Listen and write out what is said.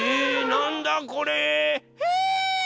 なんだこれ？えっ？